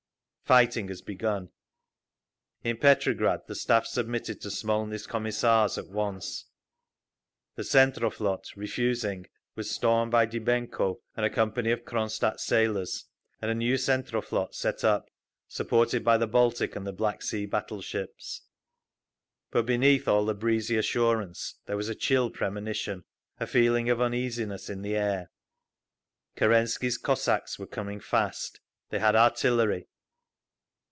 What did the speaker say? Fighting has begun…. In Petrograd the Staff submitted to Smolny's Commissars at once. The Tsentroflot, refusing, was stormed by Dybenko and a company of Cronstadt sailors, and a new Tsentroflot set up, supported by the Baltic and the Black Sea battleships…. But beneath all the breezy assurance there was a chill premonition, a feeling of uneasiness in the air. Kerensky's Cossacks were coming fast; they had artillery.